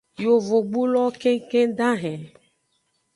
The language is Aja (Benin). Yovogbulowo kengkeng dahen.